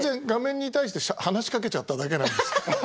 画面に対して話しかけちゃっただけなんです。